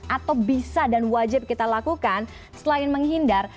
atau bisa dan wajib kita lakukan selain menghindar